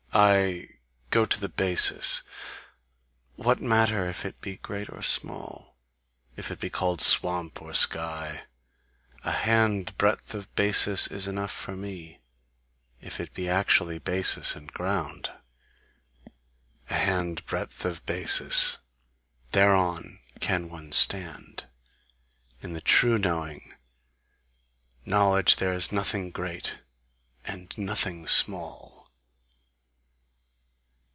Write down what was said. I go to the basis: What matter if it be great or small? If it be called swamp or sky? A handbreadth of basis is enough for me, if it be actually basis and ground! A handbreadth of basis: thereon can one stand. In the true knowing knowledge there is nothing great and nothing small."